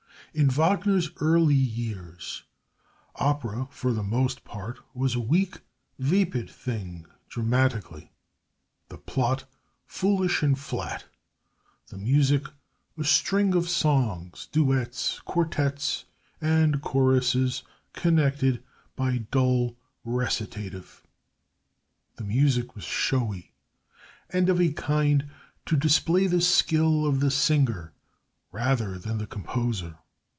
In Wagner's early years opera, for the most part, was a weak, vapid thing dramatically, the plot foolish and flat, the music a string of songs, duets, quartets, and choruses connected by dull recitative. The music was showy, and of a kind to display the skill of the singer rather than the composer.